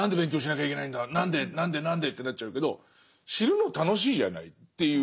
何で何で何でってなっちゃうけど知るの楽しいじゃないっていうこと。